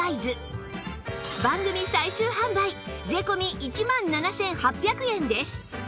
番組最終販売税込１万７８００円です